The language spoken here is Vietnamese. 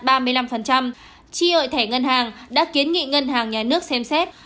tri hội thẻ ngân hàng đã kiến nghị ngân hàng nhà nước xem xét